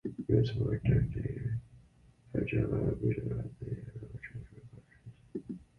He was former Director and Chairman of Gujarat State Road Transport Corporation.